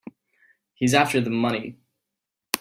He's after the money.